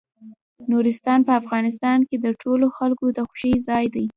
نورستان په افغانستان کې د ټولو خلکو د خوښې ځای دی.